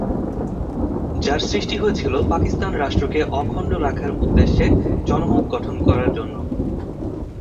যার সৃষ্টি হয়েছিল পাকিস্তান রাষ্ট্রকে অখণ্ড রাখার উদ্দেশ্যে জনমত গঠন করার জন্য।